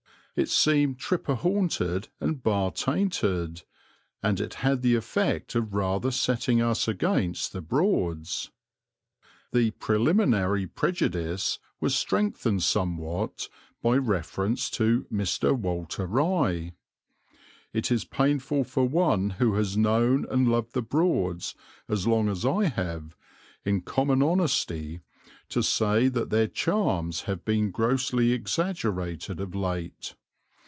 It seemed tripper haunted and bar tainted, and it had the effect of rather setting us against the Broads. The preliminary prejudice was strengthened somewhat by reference to Mr. Walter Rye. "It is painful for one who has known and loved the Broads as long as I have, in common honesty, to say that their charms have been grossly exaggerated of late.